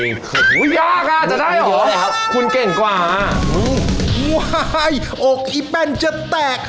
โอ้ยยากอ่ะจะได้เหรอนี่แหละครับคุณเก่งกว่าอ๋อโอ้ยโอ๊กอีแป้งจะแตก